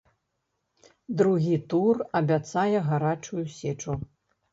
Другі тур абяцае гарачую сечу.